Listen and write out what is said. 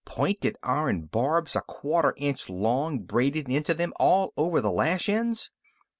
Pointed iron barbs a quarter inch long braided into them, all over the lash ends!"